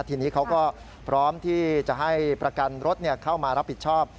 ทีนี้เขาก็พร้อมที่จะให้ประกันรถเข้ามารับผิดชอบ